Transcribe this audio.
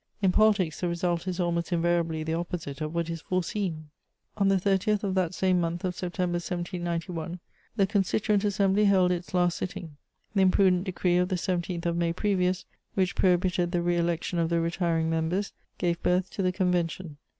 In politics the result is almost invariably the opposite of what is foreseen. On the 30th of that same month of September 1791, the Constituent Assembly held its last sitting; the imprudent decree of the 17th of May previous, which prohibited the re election of the retiring members, gave birth to the Convention.